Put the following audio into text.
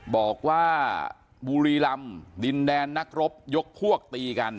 บอกว่าบุรีรำดินแดนนักรบยกพวกตีกัน